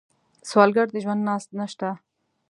سوالګر د ژوند ناز نشته